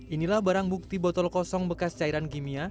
inilah barang bukti botol kosong bekas cairan kimia